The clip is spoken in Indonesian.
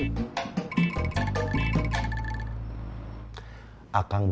akang bukan gak mau